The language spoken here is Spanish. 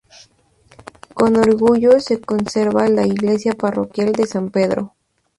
Con orgullo se conserva la iglesia parroquial de San Pedro.